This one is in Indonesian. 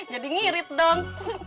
jadi ngirit dong